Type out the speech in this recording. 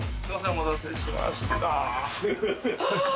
お待たせしました。